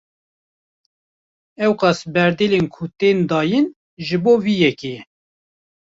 Ewqas berdêlên ku tên dayin, ji bo vê yekê ye